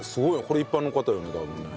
これ一般の方よね多分ね。